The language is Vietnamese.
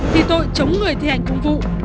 thì tôi chống người thi hành công vụ